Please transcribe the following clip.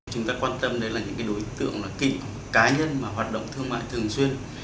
chúng ta quan tâm đến là những đối tượng kỵ cá nhân mà hoạt động thương mại thường xuyên